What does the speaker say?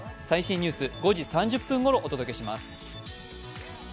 最新ニュース、５時３０分ごろお届けします。